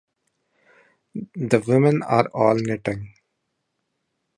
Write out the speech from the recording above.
The women are all knitting.